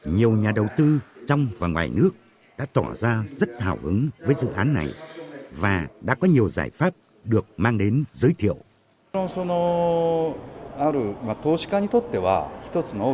nhiều nhà đầu tư trong và ngoài nước đã tỏ ra rất hào ứng với dự án này và đã có nhiều giải pháp được mang đến giới thiệu